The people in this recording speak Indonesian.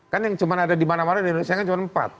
kan yang cuma ada di mana mana di indonesia kan cuma empat